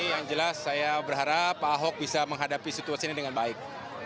yang jelas saya berharap pak ahok bisa menghadapi situasi ini dengan baik